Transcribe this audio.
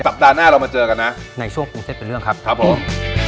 ปัดหน้าเรามาเจอกันนะในช่วงปรุงเส้นเป็นเรื่องครับครับผม